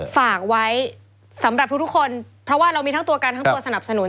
ฝากไว้สำหรับทุกคนเพราะว่าเรามีทั้งตัวกันทั้งตัวสนับสนุน